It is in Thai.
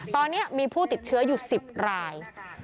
ตอนนี้มีผู้ติดเชื้ออยู่๑๐ราย